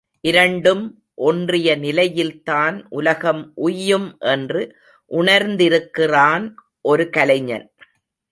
இரண்டும் ஒன்றிய நிலையில்தான் உலகம் உய்யும் என்று உணர்ந்திருக்கிறான் ஒரு கலைஞன்.